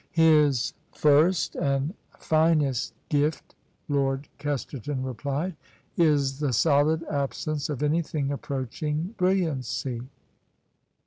" His first and finest gift," Lord Kesterton replied, " is the solid absence of anything approaching brilliancy.